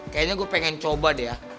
kayaknya gue pengen coba deh ya